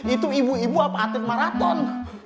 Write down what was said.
itu ibu ibu apatit maraton